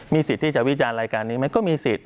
สิทธิ์ที่จะวิจารณ์รายการนี้ไหมก็มีสิทธิ